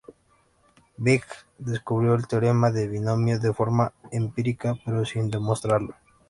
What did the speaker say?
Briggs descubrió el teorema del binomio de forma empírica, pero sin demostrarlo.